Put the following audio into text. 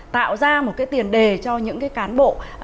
tạo ra một cái tiền đề cho những cái cán bộ